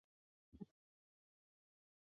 但后来少说了